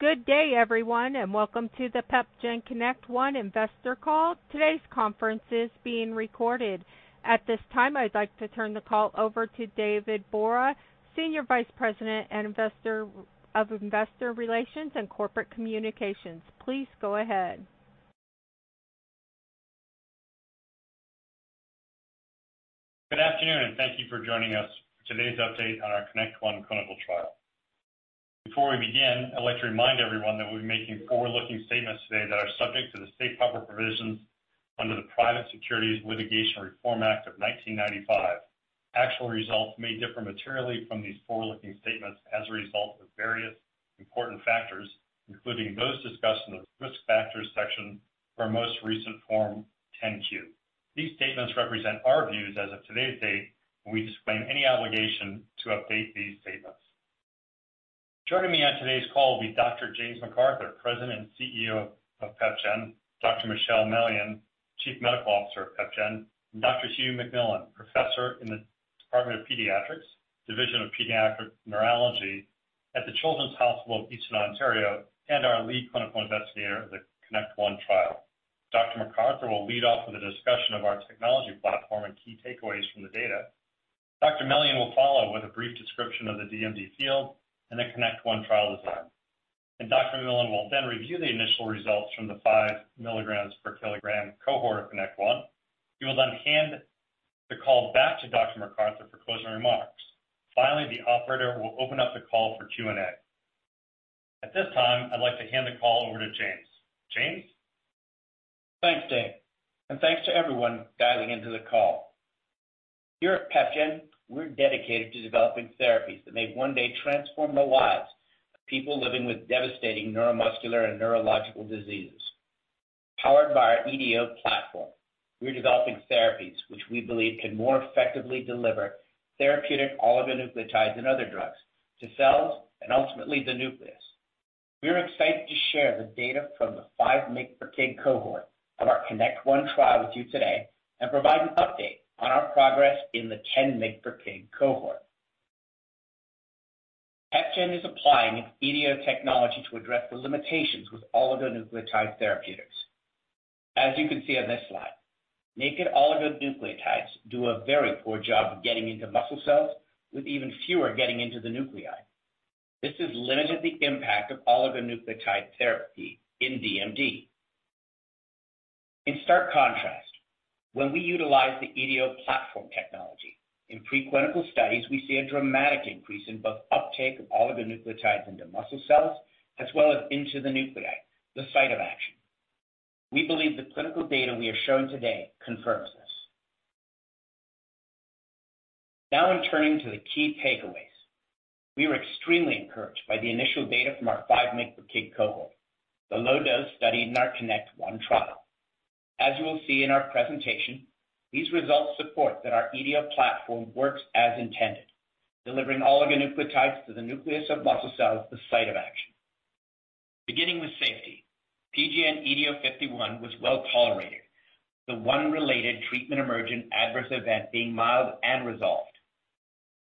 Good day, everyone, and welcome to the PepGen CONNECT-1 Investor Call. Today's conference is being recorded. At this time, I'd like to turn the call over to David Borah, Senior Vice President of Investor Relations and Corporate Communications. Please go ahead. Good afternoon, and thank you for joining us for today's update on our CONNECT-1 clinical trial. Before we begin, I'd like to remind everyone that we'll be making forward-looking statements today that are subject to the safe harbor provisions under the Private Securities Litigation Reform Act of 1995. Actual results may differ materially from these forward-looking statements as a result of various important factors, including those discussed in the Risk Factors section of our most recent Form 10-Q. These statements represent our views as of today's date, and we disclaim any obligation to update these statements. Joining me on today's call will be Dr. James McArthur, President and CEO of PepGen; Dr. Michelle Mellion, Chief Medical Officer of PepGen; and Dr. Hugh McMillan, Professor in the Department of Pediatrics, Division of Pediatric Neurology at the Children's Hospital of Eastern Ontario, and our lead clinical investigator of the CONNECT-1 trial. Dr. McArthur will lead off with a discussion of our technology platform and key takeaways from the data. Dr. Mellion will follow with a brief description of the DMD field and the CONNECT-1 trial design. Dr. McMillan will then review the initial results from the 5 mg per kilogram cohort of CONNECT-1. He will then hand the call back to Dr. McArthur for closing remarks. Finally, the operator will open up the call for Q&A. At this time, I'd like to hand the call over to James. James? Thanks, Dave, and thanks to everyone dialing into the call. Here at PepGen, we're dedicated to developing therapies that may one day transform the lives of people living with devastating neuromuscular and neurological diseases. Powered by our EDO platform, we're developing therapies which we believe can more effectively deliver therapeutic oligonucleotides and other drugs to cells and ultimately the nucleus. We are excited to share the data from the 5 mg per kg cohort of our CONNECT-1 trial with you today, and provide an update on our progress in the 10 mg per kg cohort. PepGen is applying its EDO technology to address the limitations with oligonucleotide therapeutics. As you can see on this slide, naked oligonucleotides do a very poor job of getting into muscle cells, with even fewer getting into the nuclei. This has limited the impact of oligonucleotide therapy in DMD. In stark contrast, when we utilize the EDO platform technology in preclinical studies, we see a dramatic increase in both uptake of oligonucleotides into muscle cells, as well as into the nuclei, the site of action. We believe the clinical data we are showing today confirms this. Now, in turning to the key takeaways, we are extremely encouraged by the initial data from our 5 mg per kg cohort, the low-dose study in our CONNECT-1 trial. As you will see in our presentation, these results support that our EDO platform works as intended, delivering oligonucleotides to the nucleus of muscle cells, the site of action. Beginning with safety, PGN-EDO51 was well tolerated, the one related treatment-emergent adverse event being mild and resolved.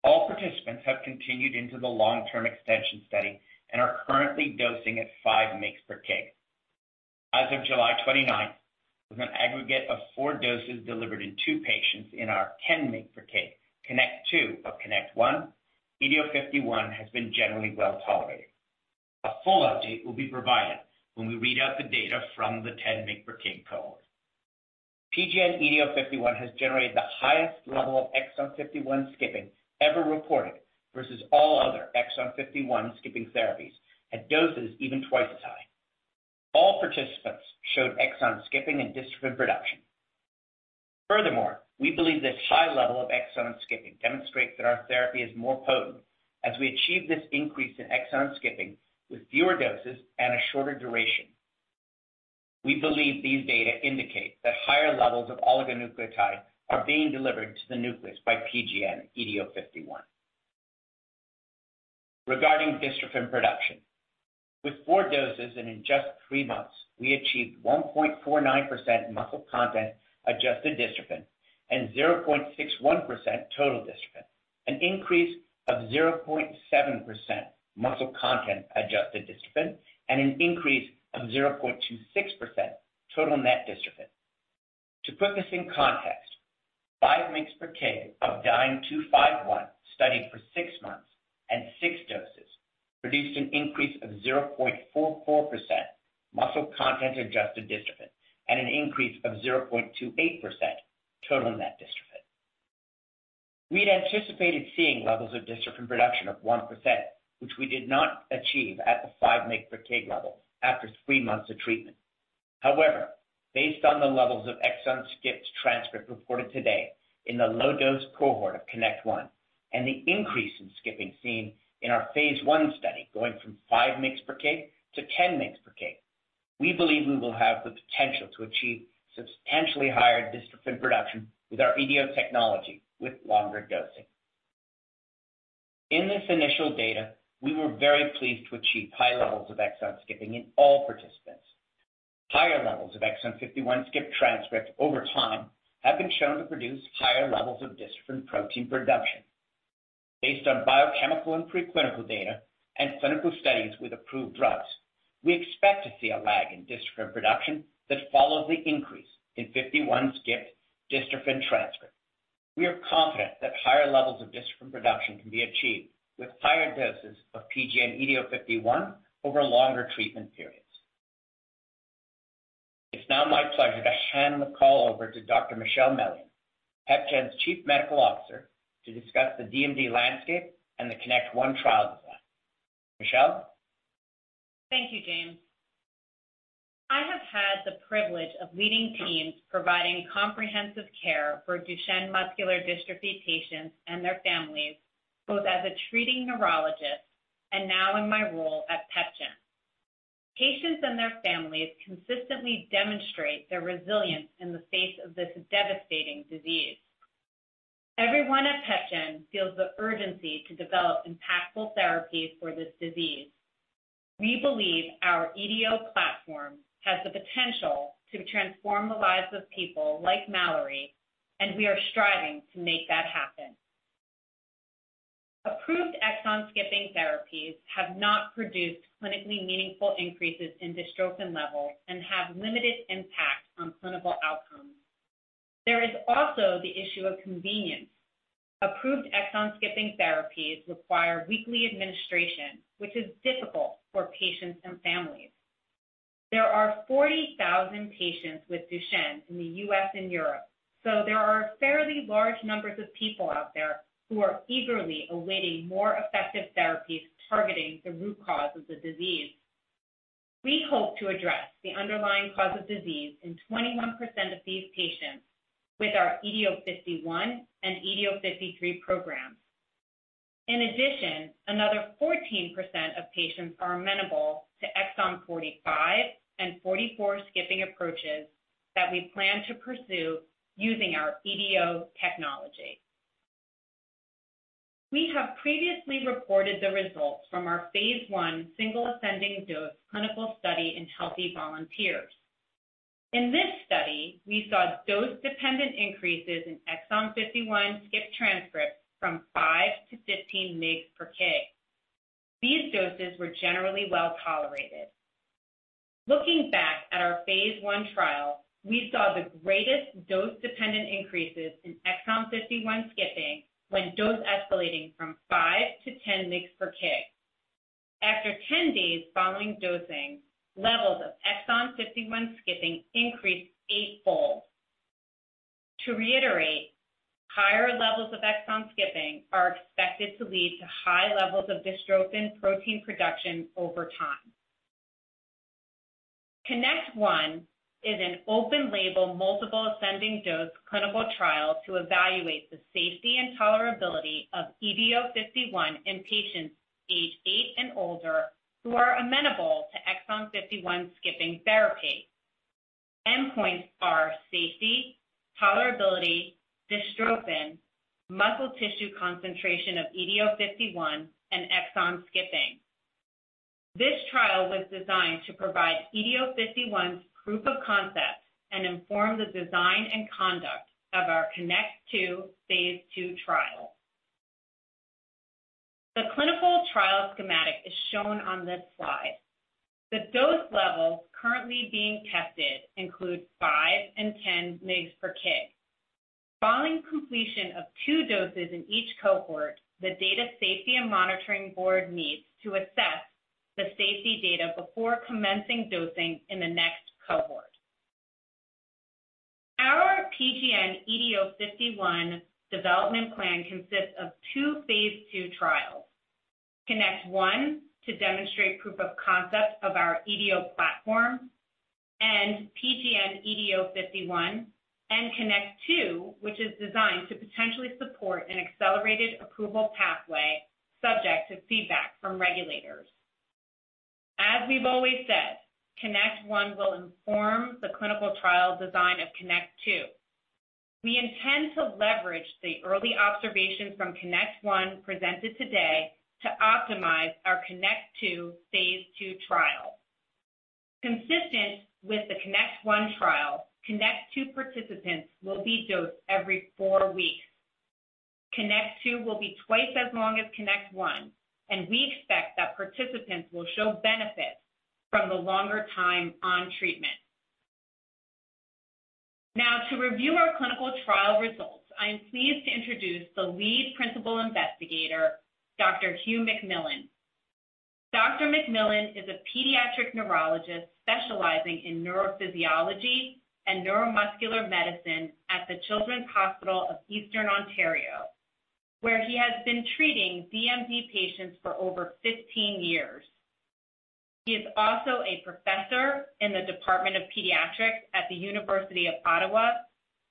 All participants have continued into the long-term extension study and are currently dosing at 5 mg per kg. As of July 29th, with an aggregate of four doses delivered in two patients in our 10 mg/kg cohort of CONNECT-1, EDO51 has been generally well tolerated. A full update will be provided when we read out the data from the 10 mg/kg cohort. PGN-EDO51 has generated the highest level of exon 51 skipping ever reported, versus all other exon 51 skipping therapies at doses even twice as high. All participants showed exon skipping and dystrophin production. Furthermore, we believe this high level of exon skipping demonstrates that our therapy is more potent, as we achieved this increase in exon skipping with fewer doses and a shorter duration. We believe these data indicate that higher levels of oligonucleotide are being delivered to the nucleus by PGN-EDO51. Regarding dystrophin production, with four doses and in just three months, we achieved 1.49% muscle content-adjusted dystrophin and 0.61% total dystrophin, an increase of 0.7% muscle content-adjusted dystrophin, and an increase of 0.26% total net dystrophin. To put this in context, 5 mg/kg of DYNE-251, studied for six months and six doses, produced an increase of 0.44% muscle content-adjusted dystrophin and an increase of 0.28% total net dystrophin. We'd anticipated seeing levels of dystrophin production of 1%, which we did not achieve at the 5 mg/kg level after three months of treatment. However, based on the levels of exon skipped transcript reported today in the low-dose cohort of CONNECT-1, and the increase in skipping seen in our phase I study, going from 5 mg per kg to 10 mg per kg, we believe we will have the potential to achieve substantially higher dystrophin production with our EDO technology with longer dosing. In this initial data, we were very pleased to achieve high levels of exon skipping in all participants. Higher levels of exon 51 skip transcript over time have been shown to produce higher levels of dystrophin protein production. Based on biochemical and preclinical data and clinical studies with approved drugs, we expect to see a lag in dystrophin production that follows the increase in 51 skip dystrophin transcript. We are confident that higher levels of dystrophin production can be achieved with higher doses of PGN-EDO51 over longer treatment periods. It's now my pleasure to hand the call over to Dr. Michelle Mellion, PepGen's Chief Medical Officer, to discuss the DMD landscape and the CONNECT-1 trial design. Michelle? Thank you, James. I have had the privilege of leading teams providing comprehensive care for Duchenne muscular dystrophy patients and their families, both as a treating neurologist and now in my role at PepGen. Patients and their families consistently demonstrate their resilience in the face of this devastating disease. Everyone at PepGen feels the urgency to develop impactful therapies for this disease. We believe our EDO platform has the potential to transform the lives of people like Mallory, and we are striving to make that happen. Approved exon skipping therapies have not produced clinically meaningful increases in dystrophin levels and have limited impact on clinical outcomes. There is also the issue of convenience. Approved exon skipping therapies require weekly administration, which is difficult for patients and families. There are 40,000 patients with Duchenne in the U.S. and Europe, so there are fairly large numbers of people out there who are eagerly awaiting more effective therapies targeting the root cause of the disease. We hope to address the underlying cause of disease in 21% of these patients with our EDO51 and EDO53 programs. In addition, another 14% of patients are amenable to exon 45 and 44 skipping approaches that we plan to pursue using our EDO technology. We have previously reported the results from our phase I single ascending dose clinical study in healthy volunteers. In this study, we saw dose-dependent increases in exon 51 skip transcript from 5 mg to 15 mg per kg. These doses were generally well tolerated. Looking back at our phase I trial, we saw the greatest dose-dependent increases in exon 51 skipping when dose escalating from 5 mg-10 mg per kg. After 10 days following dosing, levels of exon 51 skipping increased eightfold. To reiterate, higher levels of exon skipping are expected to lead to high levels of dystrophin protein production over time. CONNECT-1 is an open label, multiple ascending dose clinical trial to evaluate the safety and tolerability of EDO51 in patients aged eight and older, who are amenable to exon 51 skipping therapy. Endpoints are safety, tolerability, dystrophin, muscle tissue concentration of EDO51, and exon skipping. This trial was designed to provide EDO51's proof of concept and inform the design and conduct of our CONNECT-2 phase II trial. The clinical trial schematic is shown on this slide. The dose levels currently being tested include 5 mg and 10 mg per kg. Following completion of two doses in each cohort, the Data Safety and Monitoring Board meets to assess the safety data before commencing dosing in the next cohort. Our PGN-EDO51 development plan consists of two phase II trials: CONNECT-1, to demonstrate proof of concept of our EDO platform and PGN-EDO51, and CONNECT-2, which is designed to potentially support an accelerated approval pathway, subject to feedback from regulators. As we've always said, CONNECT-1 will inform the clinical trial design of CONNECT-2. We intend to leverage the early observations from CONNECT-1 presented today to optimize our CONNECT-2 phase II trial. Consistent with the CONNECT-1 trial, CONNECT-2 participants will be dosed every four weeks. CONNECT-2 will be twice as long as CONNECT-1, and we expect that participants will show benefits from the longer time on treatment. Now, to review our clinical trial results, I am pleased to introduce the lead principal investigator, Dr. Hugh McMillan. Dr. McMillan is a pediatric neurologist specializing in neurophysiology and neuromuscular medicine at the Children's Hospital of Eastern Ontario, where he has been treating DMD patients for over 15 years. He is also a professor in the Department of Pediatrics at the University of Ottawa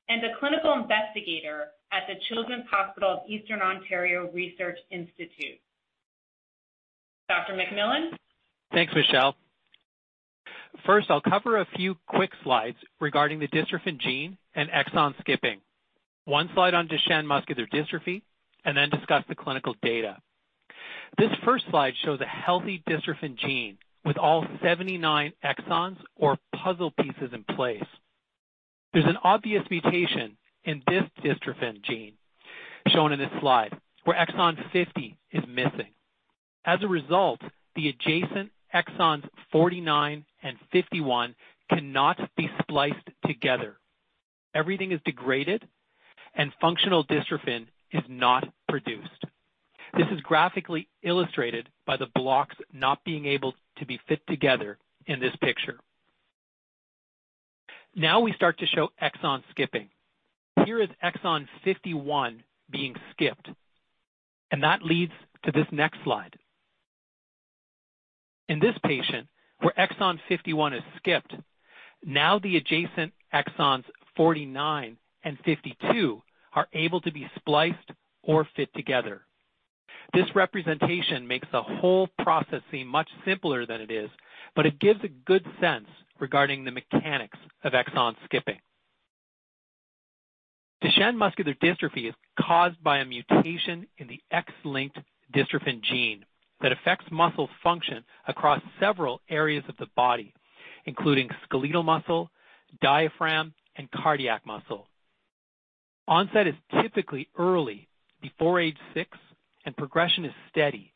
and a clinical investigator at the Children's Hospital of Eastern Ontario Research Institute. Dr. McMillan? Thanks, Michelle. First, I'll cover a few quick slides regarding the dystrophin gene and exon skipping, one slide on Duchenne muscular dystrophy, and then discuss the clinical data. This first slide shows a healthy dystrophin gene with all 79 exons or puzzle pieces in place. There's an obvious mutation in this dystrophin gene shown in this slide, where exon 50 is missing. As a result, the adjacent exons 49 and 51 cannot be spliced together. Everything is degraded, and functional dystrophin is not produced. This is graphically illustrated by the blocks not being able to be fit together in this picture. Now we start to show exon skipping. Here is exon 51 being skipped, and that leads to this next slide. In this patient, where exon 51 is skipped, now the adjacent exons 49 and 52 are able to be spliced or fit together. This representation makes the whole process seem much simpler than it is, but it gives a good sense regarding the mechanics of exon skipping. Duchenne muscular dystrophy is caused by a mutation in the X-linked dystrophin gene that affects muscle function across several areas of the body, including skeletal muscle, diaphragm, and cardiac muscle. Onset is typically early, before age six, and progression is steady,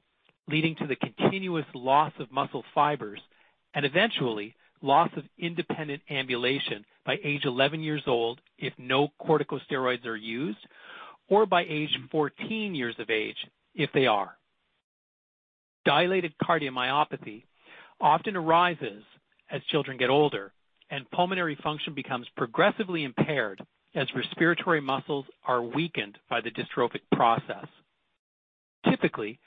leading to the continuous loss of muscle fibers and eventually loss of independent ambulation by age 11 years old, if no corticosteroids are used, or by age 14 years of age, if they are. Dilated cardiomyopathy often arises as children get older, and pulmonary function becomes progressively impaired as respiratory muscles are weakened by the dystrophic process. Typically,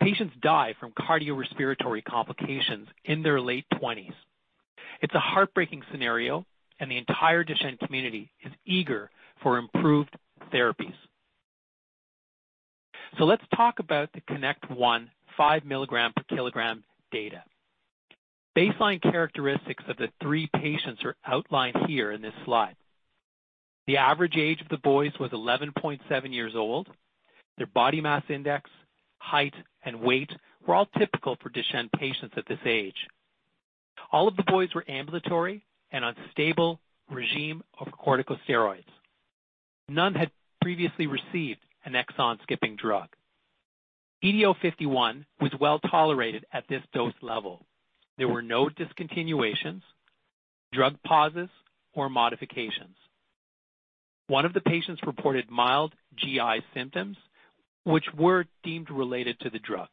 patients die from cardiorespiratory complications in their late 20s. It's a heartbreaking scenario, and the entire Duchenne community is eager for improved therapies. So let's talk about the CONNECT-1 5 mg per kilogram data. Baseline characteristics of the three patients are outlined here in this slide. The average age of the boys was 11.7 years old. Their body mass index, height, and weight were all typical for Duchenne patients at this age. All of the boys were ambulatory and on stable regimen of corticosteroids. None had previously received an exon-skipping drug. EDO51 was well tolerated at this dose level. There were no discontinuations, drug pauses, or modifications. 1 of the patients reported mild GI symptoms, which were deemed related to the drug.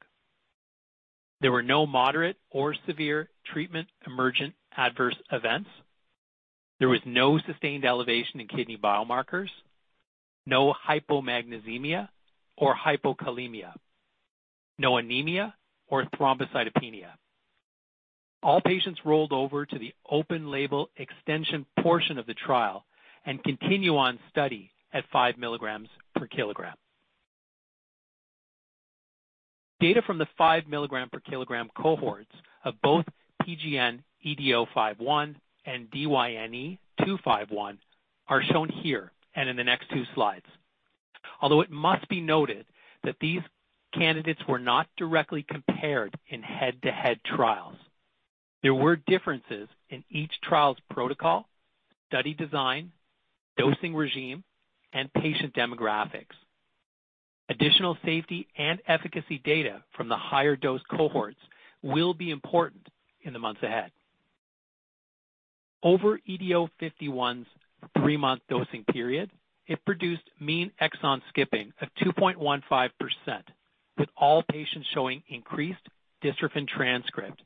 There were no moderate or severe treatment-emergent adverse events. There was no sustained elevation in kidney biomarkers, no hypomagnesemia or hypokalemia, no anemia or thrombocytopenia. All patients rolled over to the open-label extension portion of the trial and continue on study at 5 mg per kilogram. Data from the 5 mg/kg cohorts of both PGN-EDO51 and DYNE-251 are shown here and in the next two slides. Although it must be noted that these candidates were not directly compared in head-to-head trials, there were differences in each trial's protocol, study design, dosing regimen, and patient demographics. Additional safety and efficacy data from the higher dose cohorts will be important in the months ahead. Over EDO51's 3-month dosing period, it produced mean exon skipping of 2.15%, with all patients showing increased dystrophin transcript.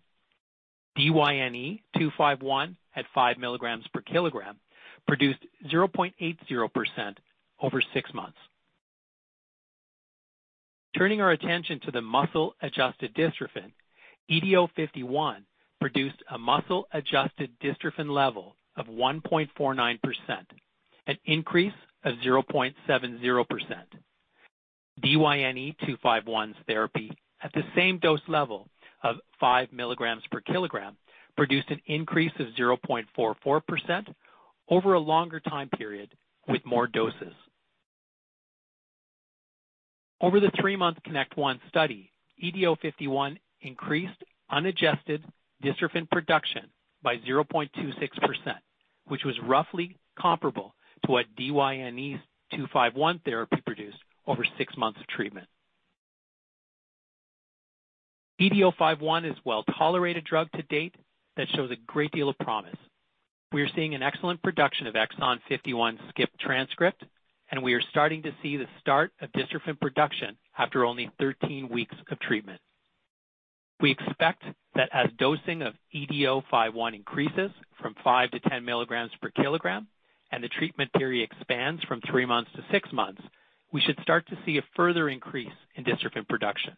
DYNE-251 at 5 mg/kg produced 0.80% over six months. Turning our attention to the muscle-adjusted dystrophin, EDO51 produced a muscle-adjusted dystrophin level of 1.49%, an increase of 0.70%. DYNE-251's therapy at the same dose level of 5 mg per kilogram produced an increase of 0.44% over a longer time period with more doses. Over the three month CONNECT-1 study, EDO51 increased unadjusted dystrophin production by 0.26%, which was roughly comparable to what DYNE-251 therapy produced over six months of treatment. EDO51 is a well-tolerated drug to date that shows a great deal of promise. We are seeing an excellent production of exon 51 skip transcript, and we are starting to see the start of dystrophin production after only 13 weeks of treatment. We expect that as dosing of EDO51 increases from 5 mg to 10 mg per kilogram, and the treatment period expands from three months to six months, we should start to see a further increase in dystrophin production.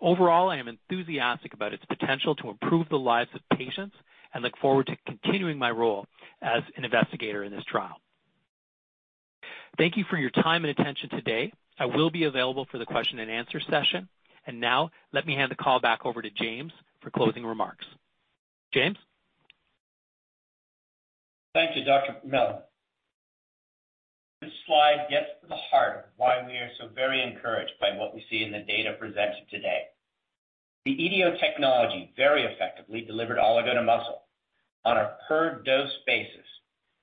Overall, I am enthusiastic about its potential to improve the lives of patients and look forward to continuing my role as an investigator in this trial. Thank you for your time and attention today. I will be available for the question and answer session. Now let me hand the call back over to James for closing remarks. James? Thank you, Dr. McMillan. This slide gets to the heart of why we are so very encouraged by what we see in the data presented today. The EDO technology very effectively delivered oligo to muscle. On a per dose basis,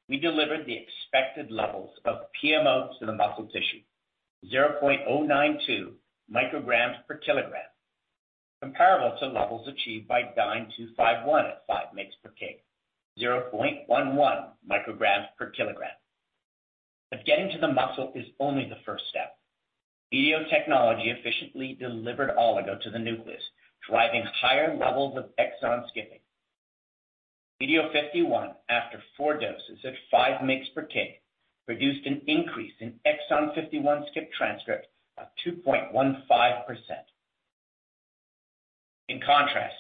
we delivered the expected levels of PMO to the muscle tissue, 0.092 micrograms per kilogram, comparable to levels achieved by DYNE-251 at 5 mg/kg, 0.11 micrograms per kilogram. But getting to the muscle is only the first step. EDO technology efficiently delivered oligo to the nucleus, driving higher levels of exon skipping. EDO51, after four doses at 5 mg/kg, produced an increase in exon 51 skip transcript of 2.15%. In contrast,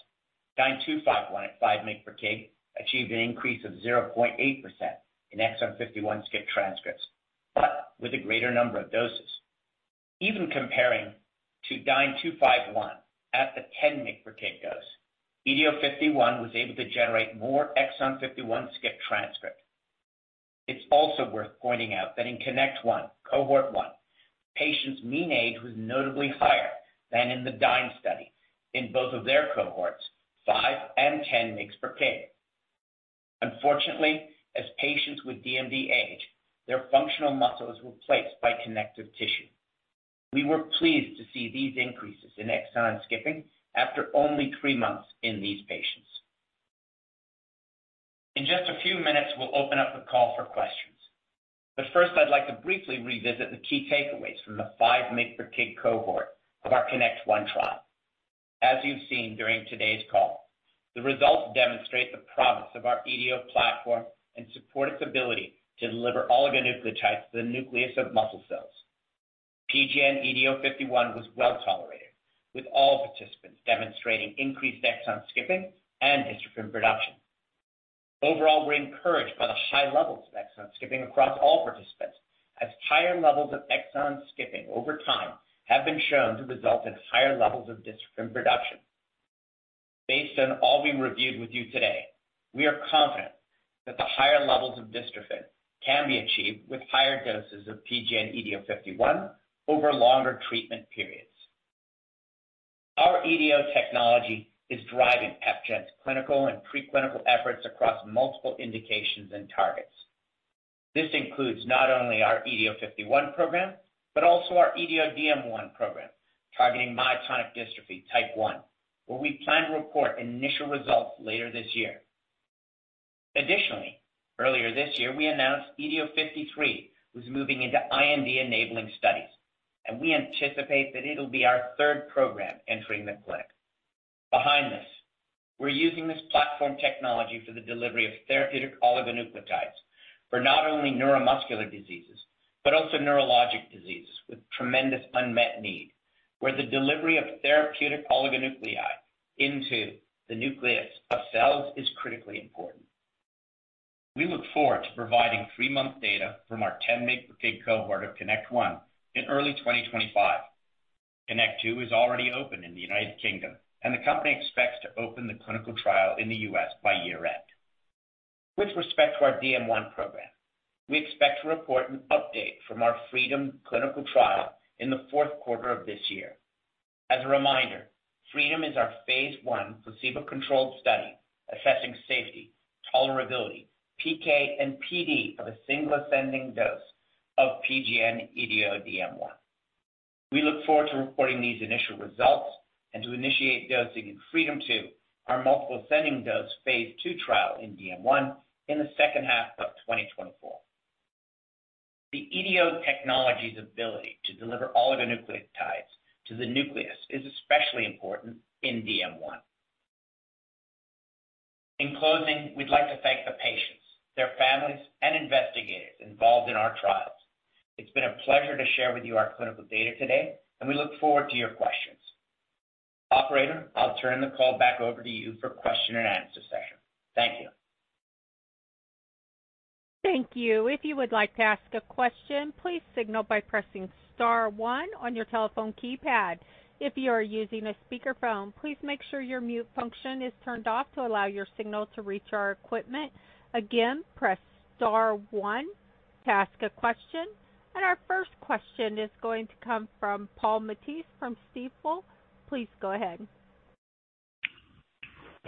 DYNE-251 at 5 mg per kg achieved an increase of 0.8% in exon 51 skip transcripts, but with a greater number of doses. Even comparing to DYNE-251 at the 10 mg per kg dose, EDO51 was able to generate more exon 51 skip transcript. It's also worth pointing out that in CONNECT-1, cohort 1, patients' mean age was notably higher than in the Dyne study in both of their cohorts, 5 mg and 10 mg per kg. Unfortunately, as patients with DMD age, their functional muscles were replaced by connective tissue. We were pleased to see these increases in exon skipping after only three months in these patients. In just a few minutes, we'll open up the call for questions, but first, I'd like to briefly revisit the key takeaways from the 5 mg per kg cohort of our CONNECT-1 trial. As you've seen during today's call, the results demonstrate the promise of our EDO platform and support its ability to deliver oligonucleotides to the nucleus of muscle cells. PGN-EDO51 was well tolerated, with all participants demonstrating increased exon skipping and dystrophin production. Overall, we're encouraged by the high levels of exon skipping across all participants, as higher levels of exon skipping over time have been shown to result in higher levels of dystrophin production. Based on all we reviewed with you today, we are confident that the higher levels of dystrophin can be achieved with higher doses of PGN-EDO51 over longer treatment periods. Our EDO technology is driving PepGen's clinical and preclinical efforts across multiple indications and targets. This includes not only our EDO51 program, but also our EDO DM1 program, targeting myotonic dystrophy type 1, where we plan to report initial results later this year. Additionally, earlier this year, we announced EDO53 was moving into IND-enabling studies, and we anticipate that it'll be our third program entering the clinic. Behind this, we're using this platform technology for the delivery of therapeutic oligonucleotides for not only neuromuscular diseases, but also neurologic diseases with tremendous unmet need, where the delivery of therapeutic oligonucleotides into the nucleus of cells is critically important. We look forward to providing three month data from our 10 mg/kg cohort of CONNECT-1 in early 2025. CONNECT-2 is already open in the United Kingdom, and the company expects to open the clinical trial in the U.S. by year-end. With respect to our DM1 program, we expect to report an update from our FREEDOM clinical trial in the fourth quarter of this year. As a reminder, FREEDOM is our phase I placebo-controlled study assessing safety, tolerability, PK, and PD of a single ascending dose of PGN-EDO DM1. We look forward to reporting these initial results and to initiate dosing in FREEDOM 2, our multiple ascending dose phase II trial in DM1 in the second half of 2024. The EDO technology's ability to deliver oligonucleotides to the nucleus is especially important in DM1. In closing, we'd like to thank the patients, their families, and investigators involved in our trials. It's been a pleasure to share with you our clinical data today, and we look forward to your questions. Operator, I'll turn the call back over to you for question and answer session. Thank you. Thank you. If you would like to ask a question, please signal by pressing star one on your telephone keypad. If you are using a speakerphone, please make sure your mute function is turned off to allow your signal to reach our equipment. Again, press star one to ask a question. Our first question is going to come from Paul Matteis from Stifel. Please go ahead.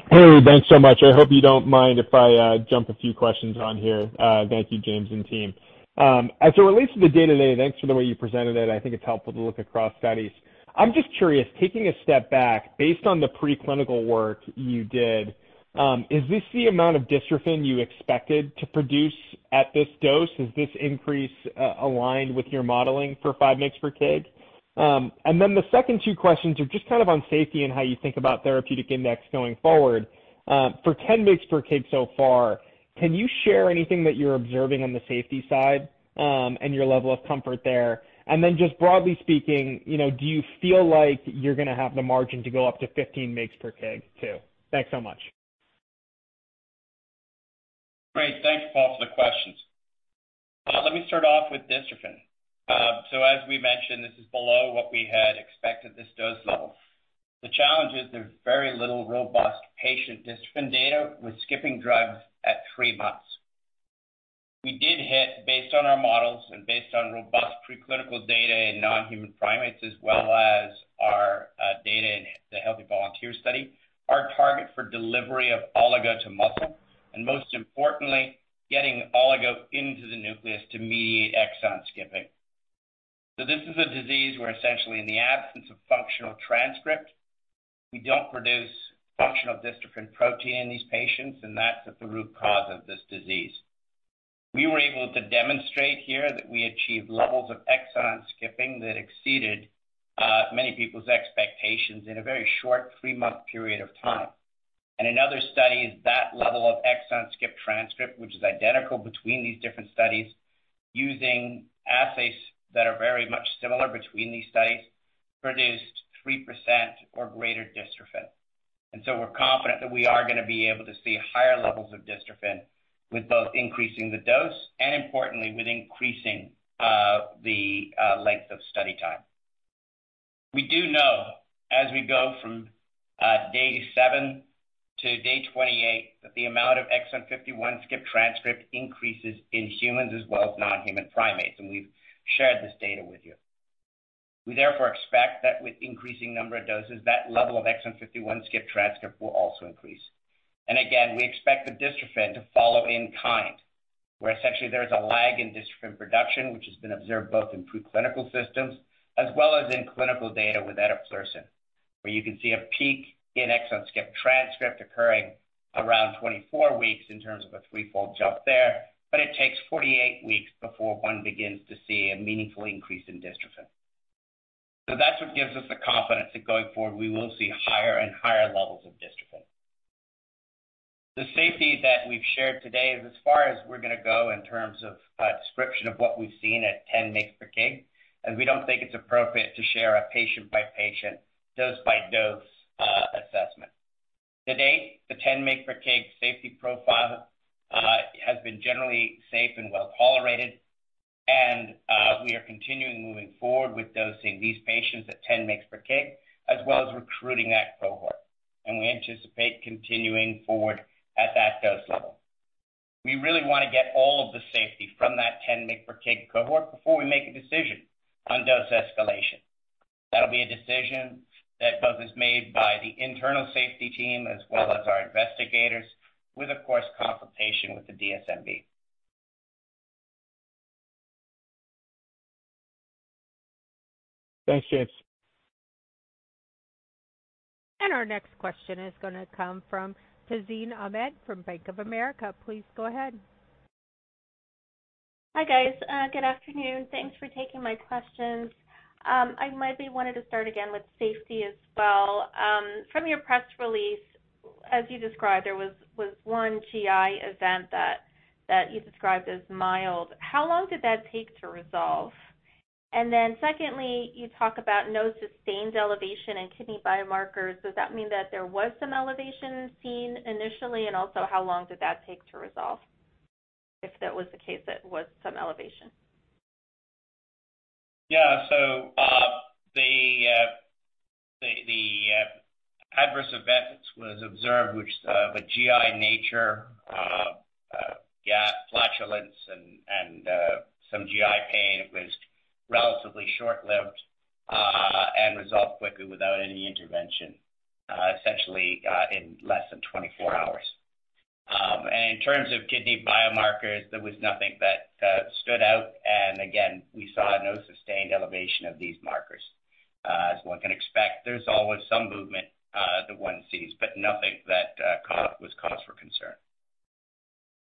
Hey, thanks so much. I hope you don't mind if I jump a few questions on here. Thank you, James and team. As it relates to the data today, thanks for the way you presented it. I think it's helpful to look across studies. I'm just curious, taking a step back, based on the preclinical work you did, is this the amount of dystrophin you expected to produce at this dose? Is this increase aligned with your modeling for 5 mg per kg? And then the second two questions are just kind of on safety and how you think about therapeutic index going forward. For 10 mg per kg so far, can you share anything that you're observing on the safety side, and your level of comfort there? Just broadly speaking, you know, do you feel like you're gonna have the margin to go up to 15 mg per kg, too? Thanks so much. Great. Thanks, Paul, for the questions. Let me start off with dystrophin. So as we mentioned, this is below what we had expected this dose level. The challenge is there's very little robust patient dystrophin data with skipping drugs at three months. We did hit, based on our models and based on robust preclinical data in non-human primates, as well as our data in the healthy volunteer study, our target for delivery of oligo to muscle, and most importantly, getting oligo into the nucleus to mediate exon skipping. So this is a disease where essentially in the absence of functional transcript, we don't produce functional dystrophin protein in these patients, and that's at the root cause of this disease. We were able to demonstrate here that we achieved levels of exon skipping that exceeded many people's expectations in a very short three-month period of time. In other studies, that level of exon skip transcript, which is identical between these different studies, using assays that are very much similar between these studies, produced 3% or greater dystrophin. So we're confident that we are gonna be able to see higher levels of dystrophin with both increasing the dose and importantly, with increasing the length of study time. We do know as we go from day seven to day 28, that the amount of exon 51 skip transcript increases in humans as well as non-human primates, and we've shared this data with you. We therefore expect that with increasing number of doses, that level of exon 51 skip transcript will also increase. And again, we expect the dystrophin to follow in kind, where essentially there is a lag in dystrophin production, which has been observed both in preclinical systems as well as in clinical data with eteplirsen, where you can see a peak in exon skip transcript occurring around 24 weeks in terms of a threefold jump there, but it takes 48 weeks before one begins to see a meaningful increase in dystrophin. So that's what gives us the confidence that going forward, we will see higher and higher levels of dystrophin. The safety that we've shared today is as far as we're gonna go in terms of a description of what we've seen at 10 mg per kg, as we don't think it's appropriate to share a patient-by-patient, dose-by-dose assessment. To date, the 10 mg per kg safety profile has been generally safe and well tolerated, and we are continuing moving forward with dosing these patients at 10 mg per kg, as well as recruiting that cohort, and we anticipate continuing forward at that dose level. We really wanna get all of the safety from that 10 mg per kg cohort before we make a decision on dose escalation. That'll be a decision that both is made by the internal safety team as well as our investigators, with, of course, consultation with the DSMB. Thanks, James. Our next question is gonna come from Tazeen Ahmad from Bank of America. Please go ahead. Hi, guys. Good afternoon. Thanks for taking my questions. I maybe wanted to start again with safety as well. From your press release, as you described, there was one GI event that you described as mild. How long did that take to resolve? And then secondly, you talk about no sustained elevation in kidney biomarkers. Does that mean that there was some elevation seen initially? And also, how long did that take to resolve, if that was the case, there was some elevation? Yeah. So, the adverse events was observed with a GI nature, gas, flatulence and some GI pain. It was relatively short-lived, and resolved quickly without any intervention, essentially, in less than 24 hours. And in terms of kidney biomarkers, there was nothing that stood out, and again, we saw no sustained elevation of these markers. As one can expect, there's always some movement that one sees, but nothing that was cause for concern.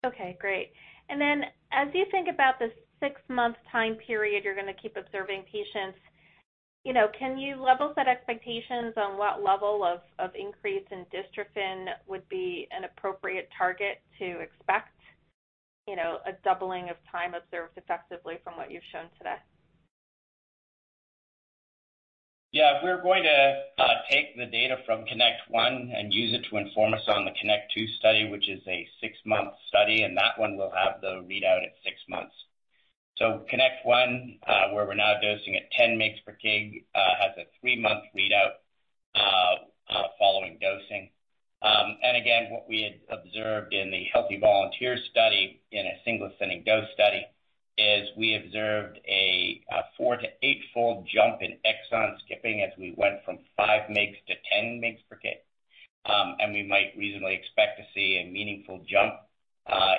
Okay, great. Then as you think about the six-month time period, you're gonna keep observing patients, you know, can you level set expectations on what level of increase in dystrophin would be an appropriate target to expect? You know, a doubling of time observed effectively from what you've shown today. Yeah. We're going to take the data from CONNECT-1 and use it to inform us on the CONNECT-2 study, which is a six month study, and that one will have the readout at six months. So CONNECT-1, where we're now dosing at 10 mg per kg, has a three month readout following dosing. And again, what we had observed in the healthy volunteer study in a single ascending dose study, is we observed a four to eight fold jump in exon skipping as we went from 5 mg to 10 mg per kg. And we might reasonably expect to see a meaningful jump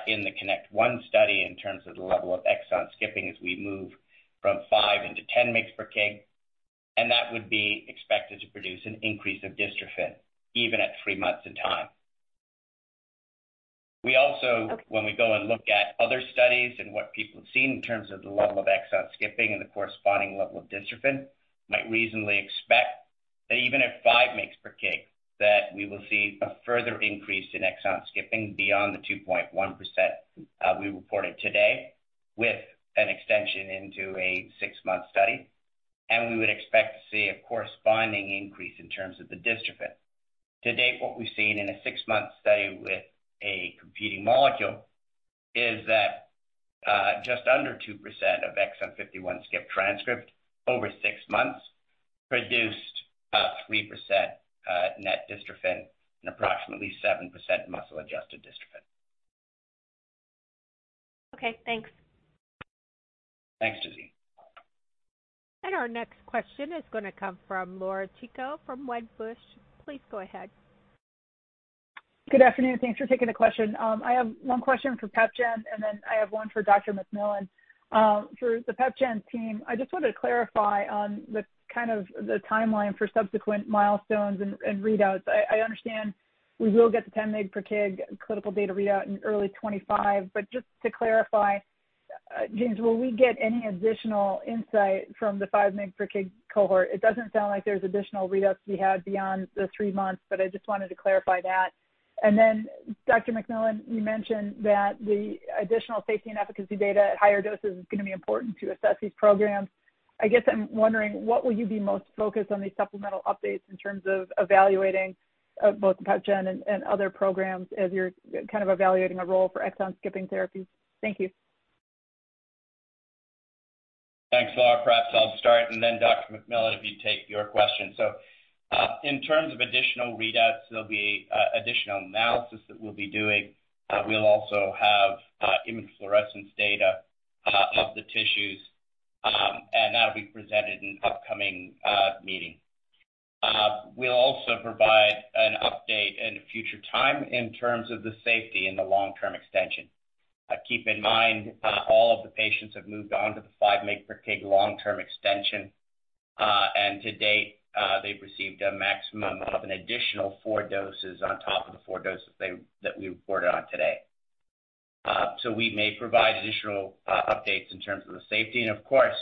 in the CONNECT-1 study in terms of the level of exon skipping as we move from 5 mg into 10 mg per kg, and that would be expected to produce an increase of dystrophin, even at three months in time. We also- Okay. When we go and look at other studies and what people have seen in terms of the level of exon skipping and the corresponding level of dystrophin, might reasonably expect that even at 5 mg per kg, that we will see a further increase in exon skipping beyond the 2.1%, we reported today, with an extension into a 6-month study, and we would expect to see a corresponding increase in terms of the dystrophin... To date, what we've seen in a six month study with a competing molecule is that, just under 2% of exon 51 skip transcript over six months produced about 3%, net dystrophin and approximately 7% muscle-adjusted dystrophin. Okay, thanks. Thanks, Tazeen. Our next question is gonna come from Laura Chico from Wedbush. Please go ahead. Good afternoon. Thanks for taking the question. I have one question for PepGen, and then I have one for Dr. McMillan. For the PepGen team, I just wanted to clarify on the kind of the timeline for subsequent milestones and readouts. I understand we will get the 10 mg per kg clinical data readout in early 2025. But just to clarify, James, will we get any additional insight from the 5 mg per kg cohort? It doesn't sound like there's additional readouts to be had beyond the three months, but I just wanted to clarify that. And then, Dr. McMillan, you mentioned that the additional safety and efficacy data at higher doses is gonna be important to assess these programs. I guess I'm wondering, what will you be most focused on these supplemental updates in terms of evaluating, both PepGen and, and other programs as you're kind of evaluating a role for exon skipping therapies? Thank you. Thanks, Laura. Perhaps I'll start, and then Dr. McMillan, if you'd take your question. So, in terms of additional readouts, there'll be additional analysis that we'll be doing. We'll also have immunofluorescence data of the tissues, and that'll be presented in an upcoming meeting. We'll also provide an update in a future time in terms of the safety and the long-term extension. Keep in mind, all of the patients have moved on to the 5 mg per kg long-term extension. And to date, they've received a maximum of an additional four doses on top of the four doses that we reported on today. So we may provide additional updates in terms of the safety. And of course,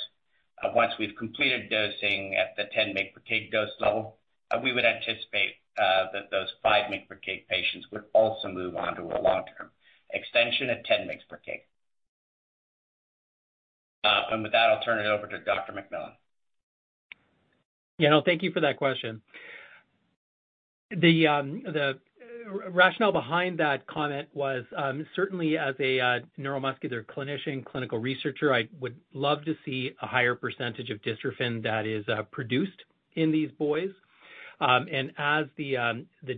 once we've completed dosing at the 10 mg per kg dose level, we would anticipate that those 5 mg per kg patients would also move on to a long-term extension at 10 mg per kg. And with that, I'll turn it over to Dr. McMillan. Yeah, no, thank you for that question. The rationale behind that comment was certainly as a neuromuscular clinician, clinical researcher, I would love to see a higher percentage of dystrophin that is produced in these boys. And as the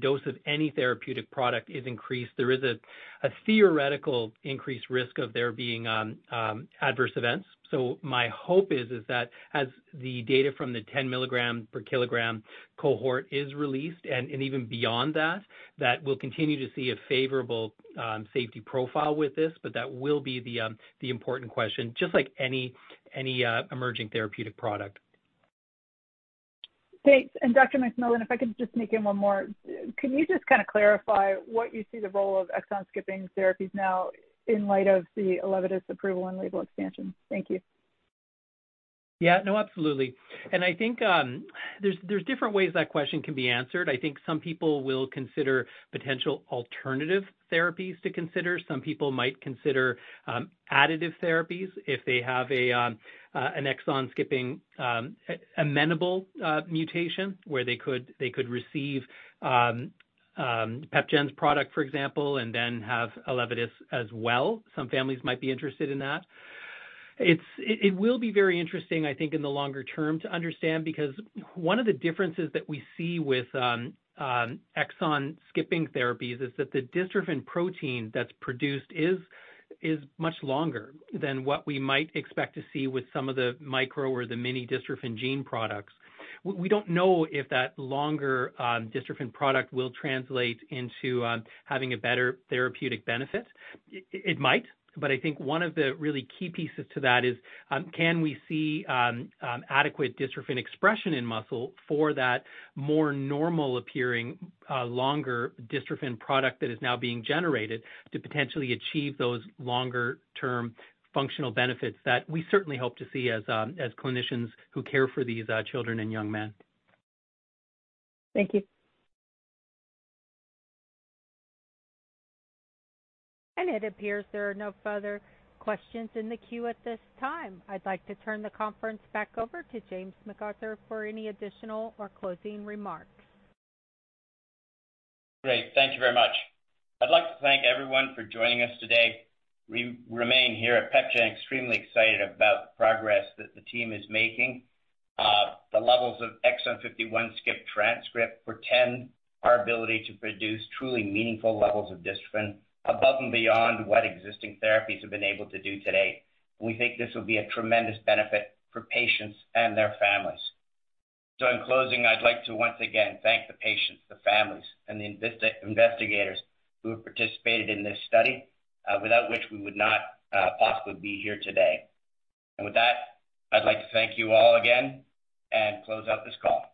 dose of any therapeutic product is increased, there is a theoretical increased risk of there being adverse events. So my hope is that as the data from the 10 mg per kilogram cohort is released, and even beyond that, that we'll continue to see a favorable safety profile with this, but that will be the important question, just like any emerging therapeutic product. Thanks. Dr. McMillan, if I could just sneak in one more. Can you just kind of clarify what you see the role of exon skipping therapies now in light of the Elevidys approval and label expansion? Thank you. Yeah. No, absolutely. And I think, there's different ways that question can be answered. I think some people will consider potential alternative therapies to consider. Some people might consider additive therapies if they have an exon skipping amenable mutation, where they could receive PepGen's product, for example, and then have Elevidys as well. Some families might be interested in that. It will be very interesting, I think, in the longer term, to understand, because one of the differences that we see with exon skipping therapies is that the dystrophin protein that's produced is much longer than what we might expect to see with some of the micro or the mini dystrophin gene products. We don't know if that longer dystrophin product will translate into having a better therapeutic benefit. It might, but I think one of the really key pieces to that is, can we see adequate dystrophin expression in muscle for that more normal-appearing, longer dystrophin product that is now being generated, to potentially achieve those longer-term functional benefits that we certainly hope to see as, as clinicians who care for these, children and young men. Thank you. It appears there are no further questions in the queue at this time. I'd like to turn the conference back over to James McArthur for any additional or closing remarks. Great. Thank you very much. I'd like to thank everyone for joining us today. We remain here at PepGen, extremely excited about the progress that the team is making, the levels of exon 51 skipped transcript for 10, our ability to produce truly meaningful levels of dystrophin, above and beyond what existing therapies have been able to do today. We think this will be a tremendous benefit for patients and their families. So in closing, I'd like to once again thank the patients, the families, and the investigators who have participated in this study, without which we would not possibly be here today. And with that, I'd like to thank you all again and close out this call.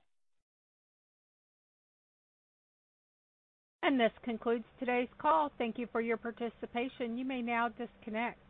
This concludes today's call. Thank you for your participation. You may now disconnect.